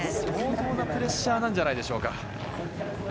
相当なプレッシャーなんじゃないでしょうか。